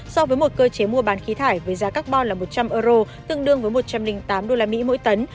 so với một cơ chế mua bán khí thải với giá carbon là một trăm linh euro tương đương với một trăm linh tám usd mỗi tấn